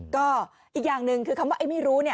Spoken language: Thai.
ก็อีกอย่างหนึ่งคือคำว่าไอ้ไม่รู้เนี่ย